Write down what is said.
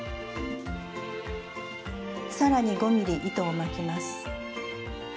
さらに５ｍｍ糸を巻きます。